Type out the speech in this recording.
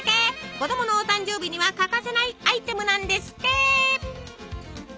子供のお誕生日には欠かせないアイテムなんですって。